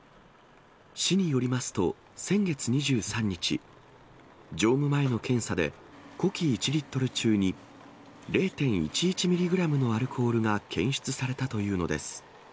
市によりますと、先月２３日、乗務前の検査で呼気１リットル中に０．１１ミリグラムのアルコールが検出されたというのです。